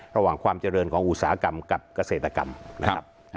ความเจริญของอุตสาหกรรมกับเกษตรกรรมนะครับ